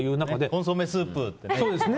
コンソメスープとかね。